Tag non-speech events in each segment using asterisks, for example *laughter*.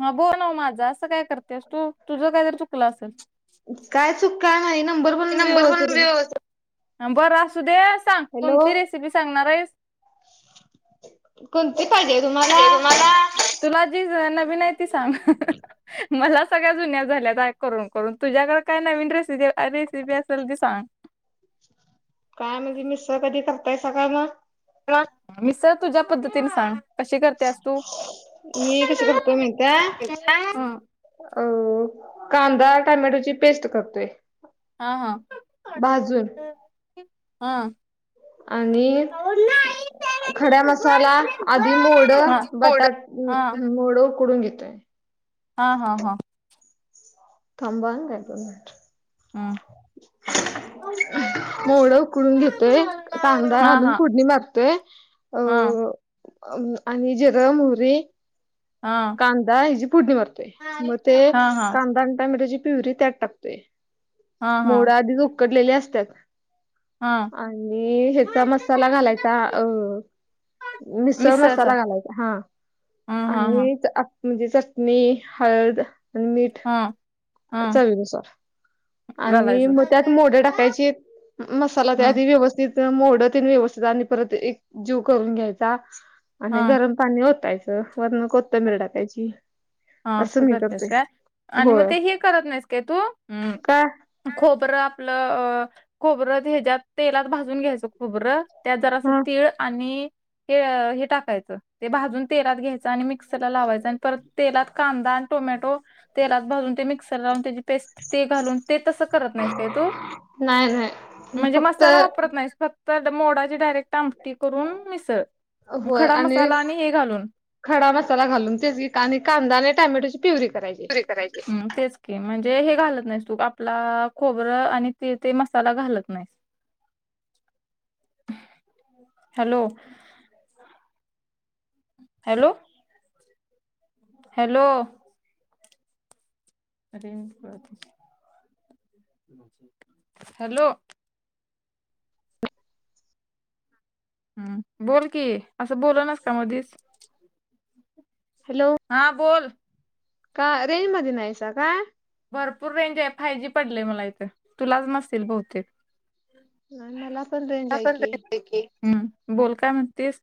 हा भर ना माझं असं काय करतेस तू तुझं काय तर चुकलं असेल. काय चूका आहे नंबर ते पण नंबर व्यवस्थित व्यवस्थित बरं असू दे सांग हॅलो कोणती रेसिपी सांगणार आहेस. कोणती पाहिजे तुम्हाला तुला दिसं ना तुम्ही नाही ती सांग. मला सगळ्या जुन्या झाल्यात करून करून तुझ्याकडे काय नवीन रेसिती रेसिपी असेल ती सांग. काय म्हणजे मिसळ कधी करताय सकाळ ना. *unintelligible* मिसळ तुझ्या पद्धतीने सांग. कशी करतेस तू? मी कशी करतोय माहितेय? हा अ कांदा टमॅटोची पेस्ट करतोय. हा हा भाजून हा. आणि *unintelligible* खड्या मसाला आधी मोडं कोड बटा म हा. म मोडं उकडून घेतोय. हा हा हा. थांबा हा काय दोन मिनट. हम्म. मोडं उकडून घेतोय कांदा हा हा घालून हा फोडणी मारतोय हा. अ आणि जिरं, मोहरी हा कांदा हिजी पुडणी मारते मग ते हा कांदा आणि टामेटोची प्युरी त्यात टाकते. हा हा मोडा आधीच उकडलेली असत्यात. हा. आणि ह्याचा मसाला घालायचा अ मिसळ मिक्सरचा मसाला घालायचा हा हा हा हा आणि म्हणजे चटणी, हळद आणि मीठ हा. हा चवीनुसार आणि घालायचं. मग त्यात मोडं टाकायचे मसाला हम्म आदी व्यवस्थित मोडंतेन व्यवस्थित आणि परत एक जीव करून घ्यायचा आणि हा गरम पाणी होतायचं वरनं होतं कोतमीर टाकायची. हा असं मी करतेस करतोय काय आणि मग ते हे करत नाहीस काय तू का खोबरं आपलं अ खोबरं ह्याच्यात तेलात भाजून घ्यायचं खोबरं. त्यात जरासा हा तीळ आणि हे हे टाकायचं ते भाजून तेलात घ्यायचं आणि मी मिक्सरला लावायचा आणि परत तेलात कांदा आणि टोमॅटो तेलात भाजून ते मिक्सर लावून त्याची पेस्ट ते घालून ते तसं करत नाहीस काय तू? नाही नाही म्हणजे फक्त मसाला वापरत नाही फक्त मोडाची डायरेक्ट आमटी करून मिसळ खडा मसाला आणि हे घालून खडा मसाला घालून तेच की आणि कांदा आणि टॅमॅटोची प्युरी करायची. पुरी हम्म तेच की म्हणजे हे घालत नाहीस तू आपला खोबरं आणि ते ते मसाला घालत नाही. हॅलो. हॅलो. हॅलो. हॅलो. हम्म बोल की असं बोलं नसतं मधीच. हॅलो हा बोल. का रेंज मध्ये नाहीयसा काय? भरपूर रेंज आहे फाय जी पडलेय मला इथे तुलाच नसेल बहुतेक. नाय मला पण रेंज आहे की. हम्म बोल काय म्हणतेच?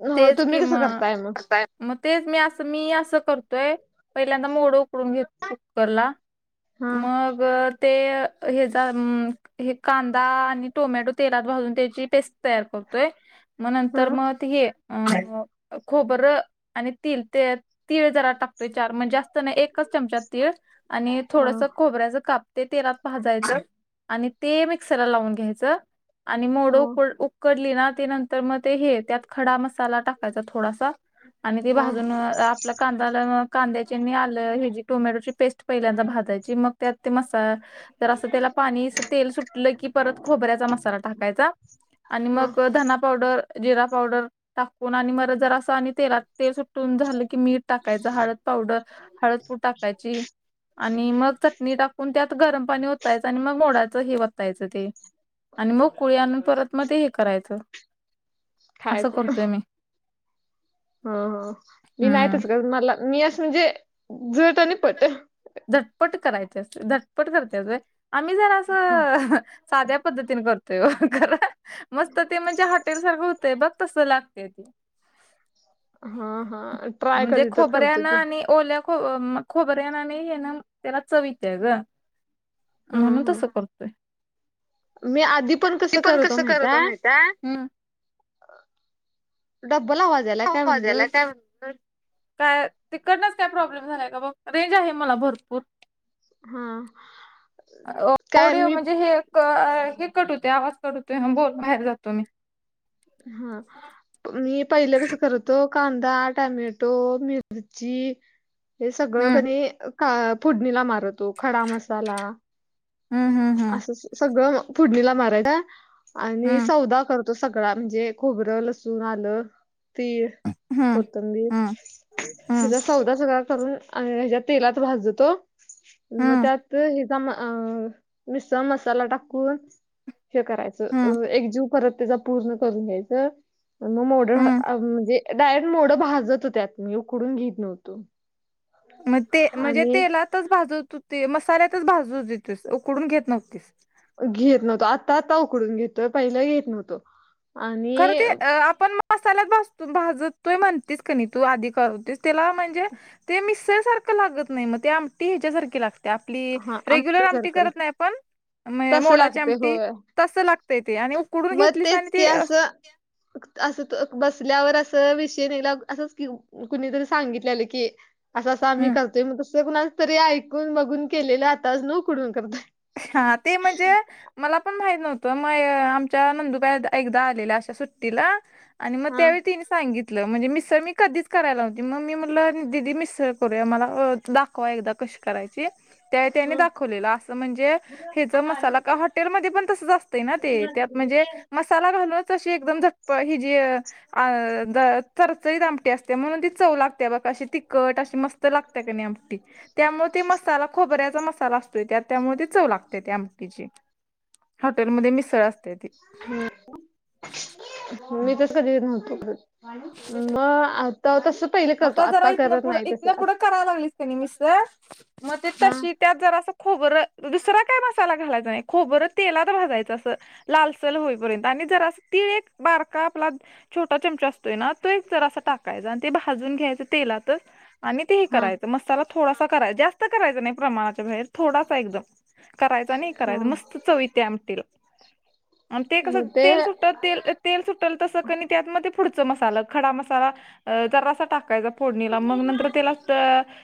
हो तेच तुम्ही किं म कसं करताय मग? मग तेच मी असं मी असं करतोय पहिल्यांदा मोडं उकडून घेत कुकराला हा मग ते हेजा म कांदा आणि टोमॅटो तेलात भाजून त्याची पेस्ट तयार करतोय मग हा नंतर मग ते हे अ खोबरं आणि तिल ते तीळ जरा टाकतोय चार म्हणजे जास्त ना एकच चमचा तीळ आणि हा थोडस खोबऱ्याचा काप ते तेलात भाजायचं आणि ते मिक्सरला लावून घ्यायचं आणि मोडं हा उक उकडली ना ते नंतर मग ते हे त्यात खडा मसाला टाक कायचा थोडासा आणि ते हा भाजून आपला कांदाला मग कांद्याची आणि आलं हेजी टोमॅटोची पेस्ट पहिल्यांदा भाजायची मग त्यात ते मसा तर असं त्याला पाणी तेल सुटलं की परत खोबऱ्याचा मसाला टाकायचा आणि हा मग धना पावडर जिरा पावडर टाकून आणि मर जरासा आणि तेलात तेल सुटून झालं की मीठ टाकायचा हळद पावडर, हळदपूड टाकायची. आणि मग चटणी टाकून त्यात गरम पाणी ओतायचं आणि मग मोडायचं हे वतायचं ते. आणि मग कुळी आणून परत मग ते हे करायचं. असं खायचं करतोय मी. हा हा मी नाही हम्म तसं करत मला मी असं म्हणजे जट आणि पट. झटपट करायची असते झटपट करते गं आम्ही जर असं साद्या पद्धतीने करतोय खरं मस्त ते म्हणजे हॉटेल सारखं होतय बघ. तसं लागतये ती. हा हा ट्राय कधी तर करतो खोबऱ्यानं की. आणि ओल्या खो म खोबऱ्यानी हे ना त्याला चवीत येते गं. हा म्हणू हा तसं करतोय. ती पण कसं करतो माहित आहे. डब्बल *unintelligible* आवाज यायलाय भानगड काय तिकडनच काय प्रॉब्लेम झालाय का बघ रेंज आहे मला भरपूर. हा. काय ओडिओ मी म्हणजे हे क कट होते आवाज कट होतोय बोल बाहेर जातो मी. हा मी पहिलं कसं करतो कांदा, टमॅटो, मिरची हे सगळं हम्म क नी का फुडणीला मारतो खडा मसाला? हम्म हम्म हम्म. असं सगळं फुडणीला मारायचं आणि हम्म सौदा करत तो सगळा म्हणजे खोबरं लसून, आलं, तीळ हम्म हम्म कोतंबीर हम्म सौदा सगळा करून अ हेच्या तेलात भाजतो मग हम्म त्यात तमं अ मिसळ मसाला टाकून हे करायचं हम्म अ एकजीव परत त्याज्या पूर्ण करून घ्यायचं म मोडं घा हम्म आ म्हणजे डायरेक्ट मोडं भाजत होत्यात मी उकडून घेत नव्हतो. म ते म्हणजे आणि तेलातच भाजवत होते मसाल्यातच भाजू देतोस उकडून घेत नव्हतीस. घेत नव्हतो आत्ता आता उकडून घेतोय पहिलं घेत नव्हतो. आणि खरं ते आपण म मसाल्यात भाजतून भाजतोय म्हणतीस क नाही तू आधी करतेस त्याला म्हणजे ते मिसळसारखं लागत नाही मते आमटी ह्याच्यासारखी लाग ते आपली हां रेग्युलर आमटी सारखं करत लागतं नाही आपण मे तसं मोडाची लागतंय आमटी होय. तसं लागतय ते आणि उकडून मग घेतलीस आणि तेच की ते असं असं तो क बसल्यावरस तर विषयनेला असाच क्यू कुणीतरी सांगितलेलं की असं असा आम्ही कर ते मग तसं कुणा तरी ऐकून बघून केलेलं आताज न उकडून करताय. हा ते म्हणजे मला पण माहित नव्हतं मय आमच्या नंदुबाई द एकदा आलेल्या अशा सुट्टीला. आणि मग हां त्यावेळी तिने सांगित तलं म्हणजे मिसळ मी कधीच करायलाव्हती मग मी म्हटलं दीदि मिसळ करू मला दा को एकदा कशी करायची त्या त्यांनी हां दाखवलेलं असं म्हणजे जर मसाला का हॉटेलमध्ये पण असते ना ते त्यात म्हणजे मसाला घालूनच अशी एकदम झटप हि जी अ अ ज चरचरीत आमटी असते म्हणून ती चव लागते बघ अशी तिखट अशी मस्त. त लागत्या कनई आमटी त्यामुळे ते मसाला खोबऱ्याचा मसाला असतोय त्यात. त्यामुळे ते चव लाग तेथे आमटीची हॉटेलमध्ये मिसळ असत्या ती. *unintelligible* हम्म म आता तसं पहिले करतो जरा आता इथनं करत पुढं नाही इथनं तसं. पुढं करायला लागलीस कनई मस्त मग हा तशी त्यात जरास खोबरं दुसरा काय मसाला घालायचा नाही. खोबरं तेलात भाजायचं असं लालसर होईपर्यंत आणि जरासं तिळ एक बारका आपला छोटा चमचा अस *unintelligible* टाकायचा आणि ते भाजून घ्यायच तेलातच आणि ते हे हा करायच मसाला थोडासा करायचा. जास्त करायच नाही प्रमाणाच्या बाहेर. थोडासा एकदम करायच आणि हे हा करायचं मस्त चव येत्या आमटीला. आणि ते कसं तेल सुट्ट तेल तेल सुटल तसं कनई त्यात मध्ये पुढच मसाला खडा मसाला अ जरासा टाकायचा. फोडणीला मग नंतर त्याला त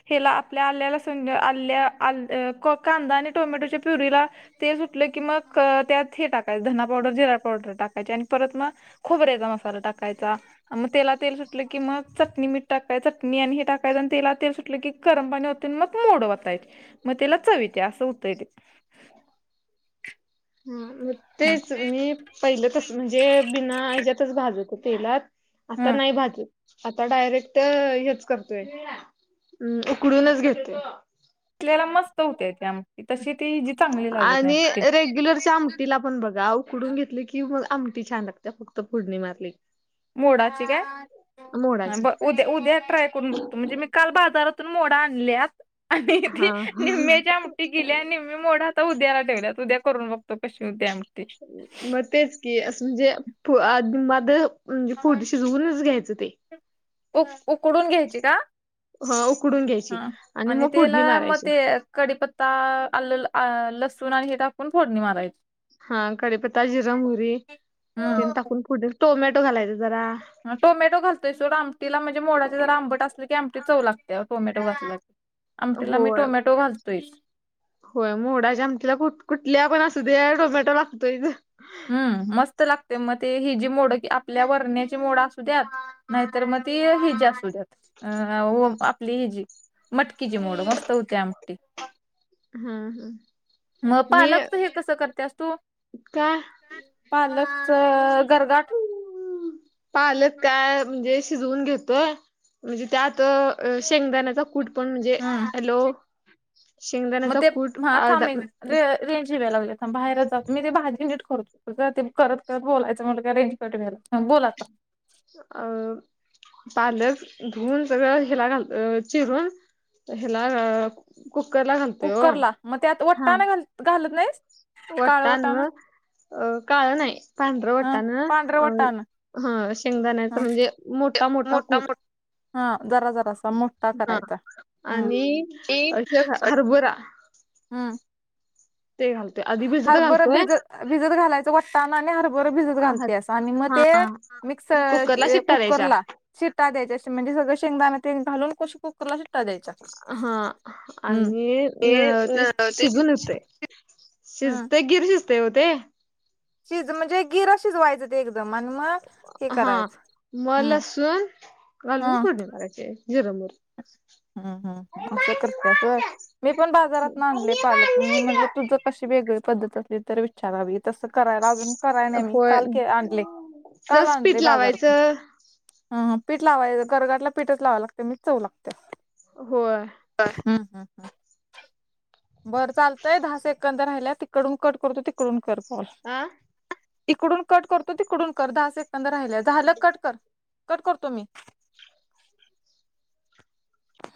हेला आपल्या आल्या, लसूण ग आल्या-आलं क कांदा आणि टोमॅटोच्या प्युरीला तेल सुटलं की मग, त्यात हे टाकायच धना पावडर, जिरा पावडर टाकायचे आणि परत मग खोबऱ्याचा मसाला टाकायचा, मग तेला तेल सुटलं की मग च नी मीठ टाकायचं चटणी आणि हे टाकायचं आणि तेला तेल सुटलं कि गरम पाणी ओतून मग मोडं ओतायचं. मग तिला चव येत्या असं होतंय ते. हा मग तेच मी पहिलं तसं म्हणजे बिना ह्याचात भाजतो तेलात, आता हम्म नाही भाजत. आता डायरेक्ट हेच करतोय, अं उकडूनच घेतोय. आपल्या मस्त होत्या ती आमटी. तशी ती हेजी चांगली लागत नाही आमटी. *unintelligible* टिला पण बघा उकडून घेतली की मग आमटी छान लागते फक्त फोडणी मारली की. मोडाची काय? हा मोडाची बग उ ते उद्या ट्राय करून बघतो म्हणजे मी काल बाजारातून मोडा आणल्या. आणि ती हा निम्म्याच्या आमटी किल्या निम्मे मोडा तो उद्याला ठेवल्यात उद्या करून बघतो कशी हूत्या आम मग तेच की असं म्हणजे फु आ आधु माध म्हणजे पुढ शिजवूनच घ्यायचं ते. उक-उकडून घ्यायची का? ह उकडून घ्यायची हा आणि मग फोडणी तेला मग मारायची ते कडीपत ता आलं आ आ लसूण आणि हे टाकून फोडणी मारायची. हा कडीपत्ता, जिर, मोहरी तेन हम्म. टाकून फोडणी टोमॅटो घालायच जरा. हा टोमॅटो घालतोय सोड आमटीला म्हणजे मोडचे जरा आंबट असली की आमटी चव लागते टोमॅटो घातला. आमटीला मी होय टोमॅटो घालतूयच. होय मोडाच्या आमटीला कुठ कुठल्या पण असू द्या टोमॅटो लागतोयच. हम्म मस्त लागते मग ते हेजी मोड क आपल्या वरण्याची मोड असूद्यात नाहीतर मग ती हिजी असूद्यात अ हो आपली हिजी मटकीचे मोड मस्त होते आमटी. हम्म, हम्म. मग पालकच तु हे कसं करत्यास तू? काय पालकच गरगाट हम्म. पालक काय म्हणजे शिजवून घेतोय म्हणजे त्यात अ अ शेंगदाण्याचा कूट पण म्हणजे हॅलो हम्म. मग शेंगदाण्याचा ते कूट हा अर्धा थांब एक रेंज हे व्हाय लागल्या आता बाहेरात जातो. मी ते भाजी नीट करत होतो ग. ते करत करत बोलायचं म्हटलं का रेंज कट व्हायल्या. हा बोला. अ पालक धुऊून सगळं हिला घाल अ चिरून हिला कुकरला घाल कुकरला मग त्यात वटाणं घाल घालत नाहीस. काळ वटाणा वटाणं अ काळ नाही पांढरं हा वटाणं पांढरा वटाणा अ हा शेंगदाण्याचा हा म्हणजे मोठा मोठा कूट. हा जरा जरासा मोठा हा करायचा हम्म आणि ते अ हे ग हरभरा. हम्म. ते घाल. हरभरं भिजत भिजत घालायचं वटाणं आणि हरभरं भिजत हर घालतियास आणि मग ते मिक्स कुकरला शिट्ट्या द्यायच्या कुकरला शिटा द्यायच्या म्हणजे सगळं शेंगदाणा तेन घालून कशी कु कुला शिट्टा देत. हा आणि न ते शिजून येतयं. हम्म शिजतयं गिर शिजतयं ओ ते. शिज म्हणजे गिर शिजवायचं. एकदम आणि मग हे हा करायचं म हम्म लसून घालून हम्म फोडणी करायची जिरं मोहरी. हम्म हम्म हम असं करतियास वय. मी पण बाजारातनं आणलय पालक मी म्हणलं तुझं कशी वेगळी पद्धत असली तर वि चला बी तसं करायला अजून कराय नाही मी होय काल के आणलयं. जरा काला पीठ आणलयं बाजारातून. लावायचं ह पीठ लावायंचं गरगाटला पीठचं लावाय लागतय म्हणजे चव लागतिया. होय. हम्म हम्म हम. बरं चालतंय दहा सेकंद राहिल्यात तिकडून कट करतो तिकडून कर फोन. आ इकडून कट करतो तिकडून कर दहा सेकंद राहिले झालं कट कर कट करतो मी.